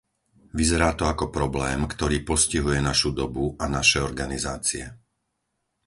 Vyzerá to ako problém, ktorý postihuje našu dobu a naše organizácie.